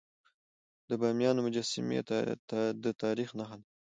د بامیانو مجسمي د تاریخ نښه ده.